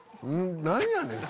何やねん！